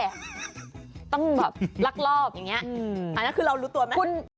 อันนั้นคือเรารู้ตัวไหม